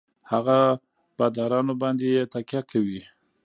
هـغـه بـادارنـو بـانـدې يـې تکيـه کـوي.